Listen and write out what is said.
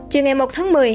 trừ ngày một tháng một mươi